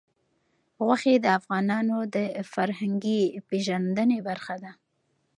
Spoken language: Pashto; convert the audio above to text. غوښې د افغانانو د فرهنګي پیژندنې برخه ده.